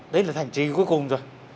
đấy là thành trì cuối cùng rồi